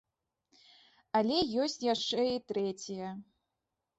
Але ёсць яшчэ і трэція.